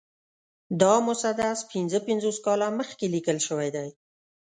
دا مسدس پنځه پنځوس کاله مخکې لیکل شوی دی.